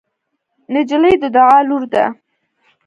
نجلۍ د دعا لور ده.